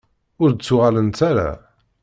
Ur d-ttuɣalent ara.